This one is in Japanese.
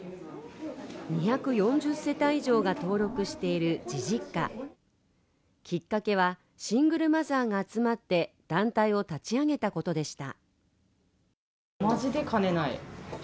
２４０世帯以上が登録しているじじっかきっかけは、シングルマザーが集まって、団体を立ち上げたことでした。